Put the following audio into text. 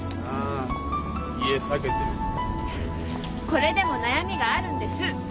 これでも悩みがあるんです。